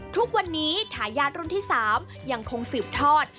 ทุกวันนี้ทายาทรุ่นที่๓ยังคงสืบทอด